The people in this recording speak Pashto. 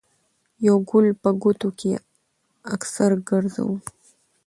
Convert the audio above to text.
يو ګل په ګوتو کښې اکثر ګرځوو